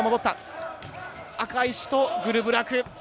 赤石とグルブラク。